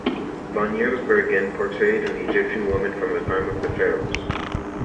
Van Giersbergen portrayed an Egyptian woman from the time of the pharaohs.